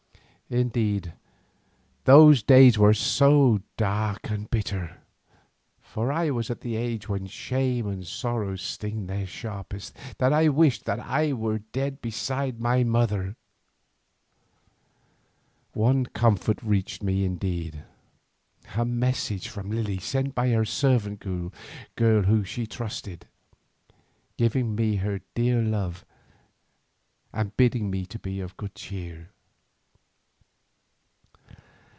Indeed those days were so dark and bitter, for I was at the age when shame and sorrow sting their sharpest, that I wished that I were dead beside my mother. One comfort reached me indeed, a message from Lily sent by a servant girl whom she trusted, giving me her dear love and bidding me to be of good cheer.